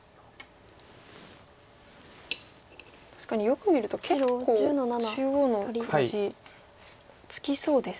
確かによく見ると結構中央の黒地つきそうですね。